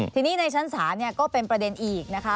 ทีนี้ในชั้นศาลก็เป็นประเด็นอีกนะคะ